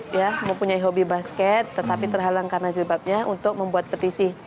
ter sodok sodok yang mempunyai hobi basket tapi terhalang karena jilbabnya itu untuk membuat petisi